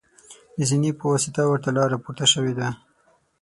د زینې په واسطه ورته لاره پورته شوې ده.